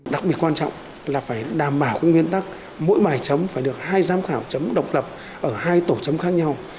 đặc biệt quan trọng là phải đảm bảo nguyên tắc mỗi bài chấm phải được hai giám khảo chấm độc lập ở hai tổ chấm khác nhau